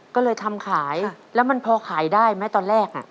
ก็เลยทำขายแล้วมันพอขายได้ไหมตอนแรก